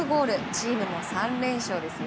チームも３連勝ですよ。